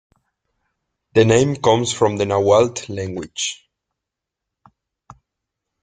The name comes from the Nahuatl language.